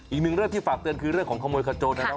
อีกหนึ่งเรื่องที่ฝากเตือนคือเรื่องของขโมยขโจนนะครับ